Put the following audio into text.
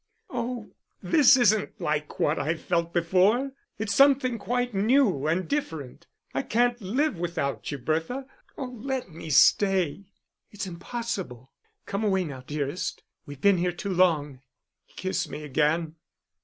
Oh, this isn't like what I've felt before; it's something quite new and different. I can't live without you, Bertha. Oh, let me stay." "It's impossible. Come away now, dearest; we've been here too long." "Kiss me again."